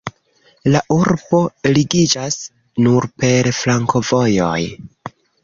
La urbo ligiĝas nur per flankovojoj.